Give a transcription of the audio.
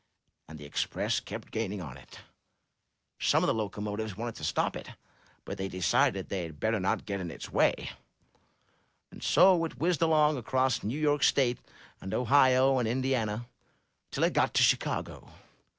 And the Express kept gaining on it. Some of the locomotives wanted to stop it, but they decided they had better not get in its way, and so it whizzed along across New York State and Ohio and Indiana, till it got to Chi cago.